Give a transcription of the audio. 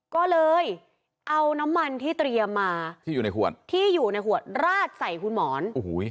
ก็เลยเอาน้ำมันที่เตรียมมาที่อยู่ในขวดจุดจ้องในหวัดที่ลาดใส่คุณหมอน